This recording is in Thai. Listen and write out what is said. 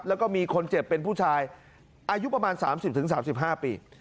แล้วก็มีคนเจ็บเป็นผู้ชายอายุประมาณ๓๐๓๕ปี